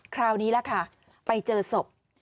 คราวนี้ล่ะค่ะไปเจอศพ